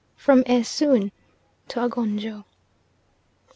FROM ESOON TO AGONJO.